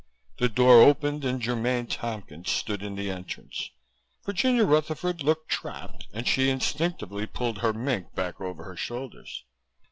The door opened and Germaine Tompkins stood in the entrance. Virginia Rutherford looked trapped and she instinctively pulled her mink back over her shoulders.